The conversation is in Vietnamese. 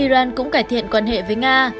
iran cũng cải thiện quan hệ với nga